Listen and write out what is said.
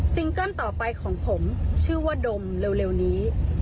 เกิ้ลต่อไปของผมชื่อว่าดมเร็วนี้